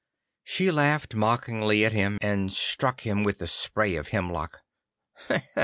She laughed mockingly at him, and struck him with the spray of hemlock.